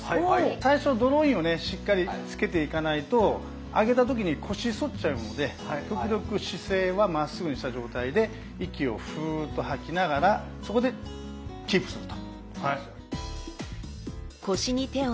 最初ドローインをしっかりつけていかないと上げた時に腰反っちゃうので極力姿勢はまっすぐにした状態で息をフーッと吐きながらそこでキープすると。